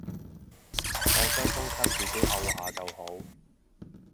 當傷風咳自己漚下就好